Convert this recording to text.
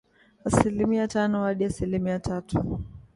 Asilimia tano hadi asilimia tatu